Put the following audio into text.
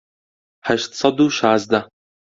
هەشت سەد و شازدە